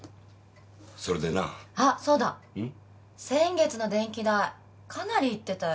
先月の電気代かなりいってたよ。